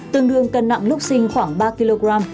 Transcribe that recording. tương đương cân nặng lúc sinh khoảng ba kg